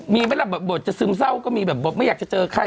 มีไหมล่ะบทจะซึมเศร้าก็มีแบบบทไม่อยากจะเจอใคร